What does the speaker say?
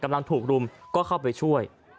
ถ้าถูกรุมก็เข้าไปช่วย